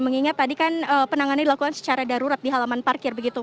mengingat tadi kan penanganannya dilakukan secara darurat di halaman parkir begitu